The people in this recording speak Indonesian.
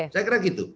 saya kira gitu